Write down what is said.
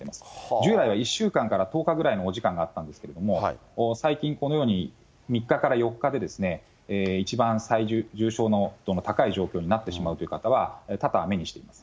従来は１週間から１０日ぐらいのお時間があったんですけれども、最近、このように３日から４日で、一番重症の、高い状況になってしまうという方は、多々、目にしています。